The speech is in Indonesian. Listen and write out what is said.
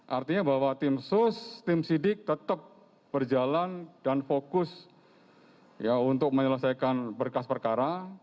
artinya bahwa tim sus tim sidik tetap berjalan dan fokus untuk menyelesaikan berkas perkara